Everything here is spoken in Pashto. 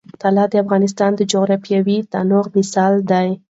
طلا د افغانستان د جغرافیوي تنوع مثال دی.